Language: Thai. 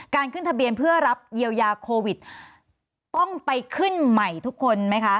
ขึ้นทะเบียนเพื่อรับเยียวยาโควิดต้องไปขึ้นใหม่ทุกคนไหมคะ